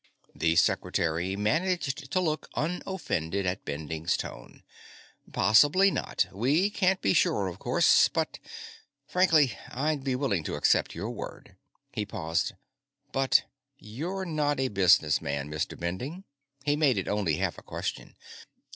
The Secretary managed to look unoffended at Bending's tone. "Possibly not. We can't be sure, of course, but frankly, I'd be willing to accept your word." He paused. "But you're not a businessman, Mr. Bending?" He made it only half a question.